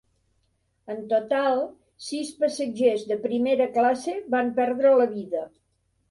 En total, sis passatgers de primera classe van perdre la vida.